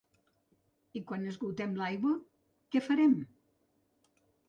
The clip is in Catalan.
I quan esgotem l’aigua, què farem?